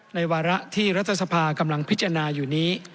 วาระที่รัฐสภากำลังพิจารณาอยู่นี้